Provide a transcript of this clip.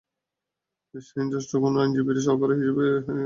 দৃষ্টিহীন বলে জ্যেষ্ঠ কোনো আইনজীবীর সহকারী হিসেবে কাজ করার সুযোগ পেলেন না।